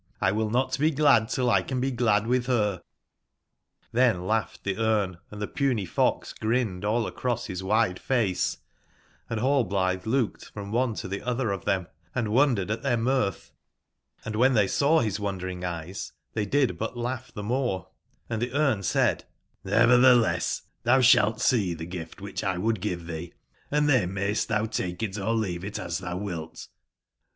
1 will not be glad, tilll can be glad witb ber/' XTben laugbed tbc Brne, and tbe puny fox grinned all a cross bis wide face, and Rallblitbe looked from one to tbe otber of tbem and wondered at tbeir mirtb, andwben tbey saw bis wondering eyes, tbey did but laugb tbe more: and tbe Grne said: ]^evertbeless, tbou sbalt see tbe gift wbicb Iwould give tbee; and tben mayst tbou take it or leave it as tbou wilt.